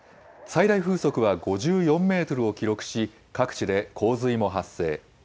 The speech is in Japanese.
最大風速は５４メートルを記録し、各地で洪水も発生。